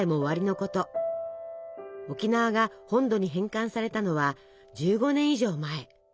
沖縄が本土に返還されたのは１５年以上前。